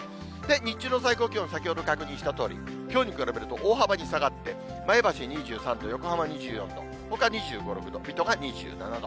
日中の最高気温、先ほど確認したとおり、きのうに比べると、大幅に下がって、前橋２３度、横浜２４度、ほか２５、６度、水戸が２７度。